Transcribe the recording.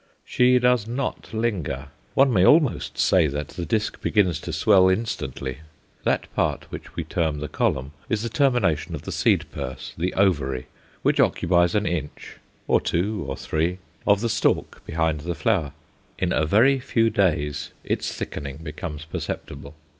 She does not linger. One may almost say that the disc begins to swell instantly. That part which we term the column is the termination of the seed purse, the ovary, which occupies an inch, or two, or three, of the stalk, behind the flower. In a very few days its thickening becomes perceptible.